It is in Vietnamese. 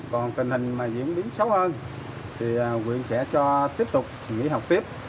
còn tình hình mà diễn biến xấu hơn thì quyện sẽ cho tiếp tục nghỉ học tiếp